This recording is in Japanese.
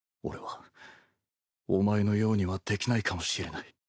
俺はお前のようにはできないかもしれない。